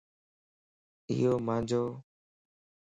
ايو مانجوَ